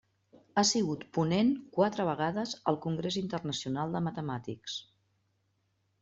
Ha sigut ponent quatre vegades al Congrés Internacional de Matemàtics.